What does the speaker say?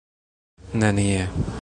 nenie